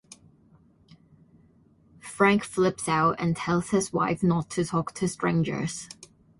Frank flips out and tells his wife not to talk to strangers.